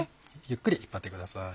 ゆっくり引っ張ってください。